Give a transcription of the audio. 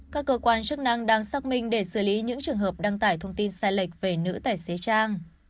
các cơ quan chức năng đang xác minh để xử lý những trường hợp đăng tải thông tin sai lệch về nữ tài xế trang